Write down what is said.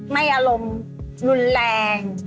ไม่อารมณ์รุนแรง